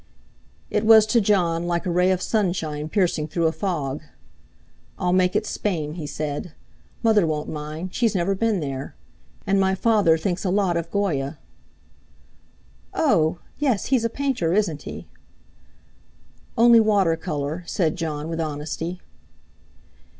It was to Jon like a ray of sunshine piercing through a fog. "I'll make it Spain," he said, "Mother won't mind; she's never been there. And my Father thinks a lot of Goya." "Oh! yes, he's a painter—isn't he?" "Only water colour," said Jon, with honesty.